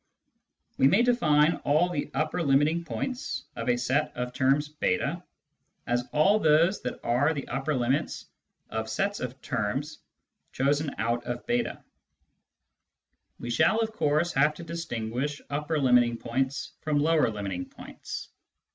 We may define all the " upper limiting points " of a set of terms j8 as all those that are the upper limits of sets of terms chosen out of /?. We shall, of course, have to distinguish upper limiting points from lower limiting points.